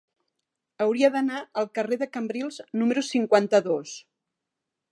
Hauria d'anar al carrer de Cambrils número cinquanta-dos.